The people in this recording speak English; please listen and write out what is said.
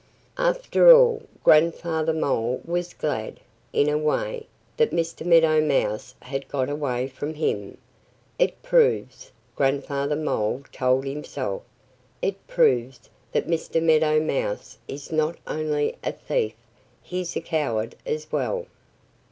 After all, Grandfather Mole was glad, in a way, that Mr. Meadow Mouse had got away from him. "It proves" Grandfather Mole told himself "it proves that Mr. Meadow Mouse is not only a thief: he's a coward as well."